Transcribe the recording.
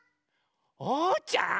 おうちゃん！